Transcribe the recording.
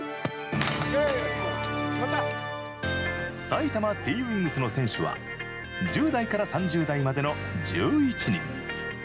埼玉Ｔ．Ｗｉｎｇｓの選手は１０代から３０代までの１１人。